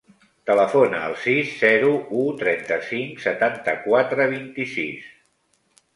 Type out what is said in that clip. Telefona al sis, zero, u, trenta-cinc, setanta-quatre, vint-i-sis.